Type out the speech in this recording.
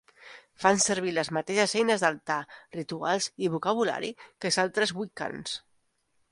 Fan servir les mateixes eines d'altar, rituals i vocabulari que els altres wiccans.